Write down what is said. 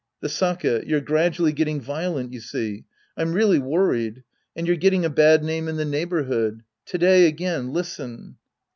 The sake. You're gradually getting violent, you see. I'm really worried. And you're getting a bad name in the iieighborhood. To day again, listen.